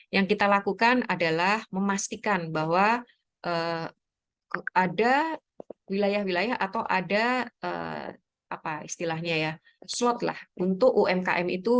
yang kita lakukan adalah memastikan bahwa ada wilayah wilayah atau ada slot untuk umkm itu